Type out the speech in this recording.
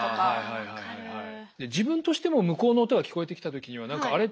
自分としても向こうの音が聞こえてきた時には何か「あれ？